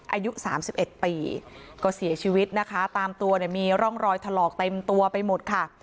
อายุสามสิบเอ็ดปีก็เสียชีวิตนะคะตามตัวเนี่ยมีร่องรอยถลอกเต็มตัวไปหมดค่ะ